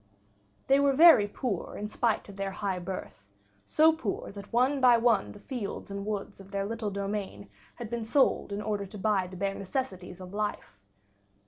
They were very poor in spite of their high birth, so poor that one by one the fields and woods of their little domain had been sold in order to buy the bare necessities of life.